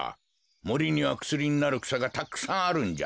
もりにはくすりになるくさがたくさんあるんじゃ。